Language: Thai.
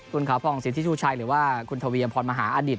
คุณขาวผ่องสิทธิชูชัยหรือว่าคุณทวียพรมหาอดิต